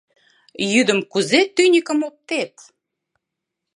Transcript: — Йӱдым кузе тӱньыкым оптет?